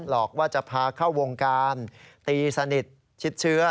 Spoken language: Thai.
หลอกว่าจะพาเข้าวงการตีสนิทชิดเชื้อ